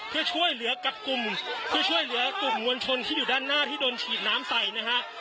เพื่อช่วยเหลือกับกลุ่มเพื่อช่วยเหลือกลุ่มมวลชนที่อยู่ด้านหน้าที่โดนฉีดน้ำใส่นะฮะ